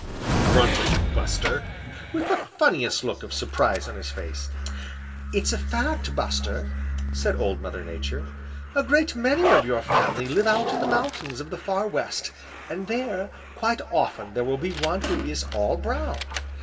grunted Buster, with the funniest look of surprise on his face. "It's a fact, Buster," said Old Mother Nature. "A great many of your family live out in the mountains of the Far West, and there quite often there will be one who is all brown.